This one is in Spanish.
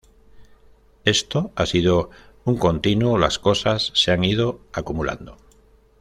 Esto ha sido un continuo, las cosas se han ido acumulando".